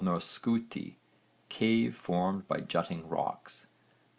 skúti, cave formed by jutting rocks.